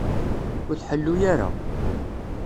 Ur tḥellu ara.